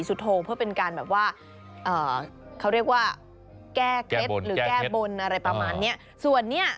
ซึ่งเหมือนเช่นเคย